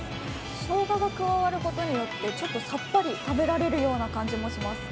しょうがが加わることによってちょっとさっぱり食べられるような感じもします。